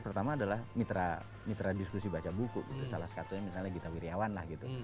pertama adalah mitra diskusi baca buku gitu salah satunya misalnya gita wirjawan lah gitu